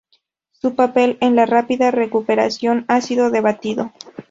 Su papel en la rápida recuperación ha sido debatido.